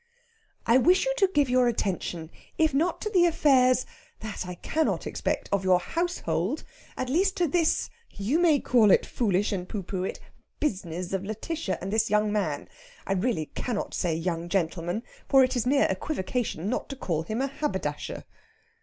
"I wish you to give attention, if not to the affairs that I cannot expect of your household, at least to this you may call it foolish and pooh pooh it business of Lætitia and this young man I really cannot say young gentleman, for it is mere equivocation not to call him a haberdasher."